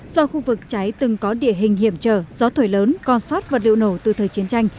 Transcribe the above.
do khu vực cháy từng có địa hình hiểm trở gió thổi lớn con sót vật liệu nổ từ thời chiến tranh